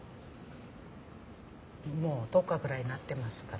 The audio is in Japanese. もう１０日ぐらいなってますから。